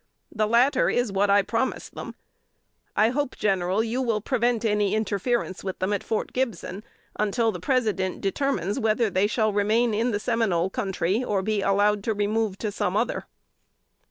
The latter is what I promised them. I hope, General, you will prevent any interference with them at Fort Gibson, until the President determines whether they shall remain in the Seminole Country, or be allowed to remove to some other."